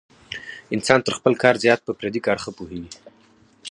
انسان تر خپل کار زیات په پردي کار ښه پوهېږي.